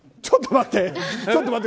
ちょっと待って！